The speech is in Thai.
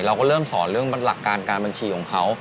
เราก็เริ่มสอนเรื่องหลักการการบัญชีของเขา